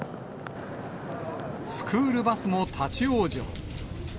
スクールバスも立往生。